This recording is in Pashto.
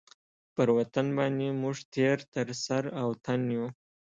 پر وطن باندي موږ تېر تر سر او تن یو.